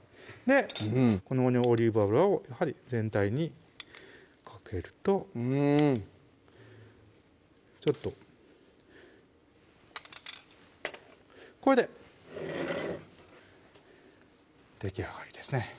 この上にオリーブ油をやはり全体にかけるとちょっとこれでできあがりですね